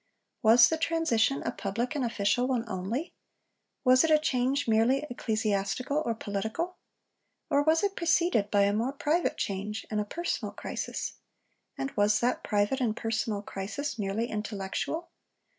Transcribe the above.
Was the transition a public and official one only? Was it a change merely ecclesiastical or political? Or was it preceded by a more private change and a personal crisis? And was that private and personal crisis merely intellectual?